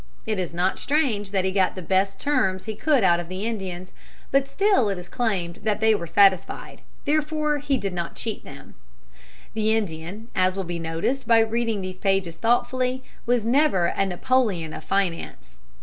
It is not strange that he got the best terms he could out of the Indians, but still it is claimed that they were satisfied, therefore he did not cheat them. The Indian, as will be noticed by reading these pages thoughtfully, was never a Napoleon of finance.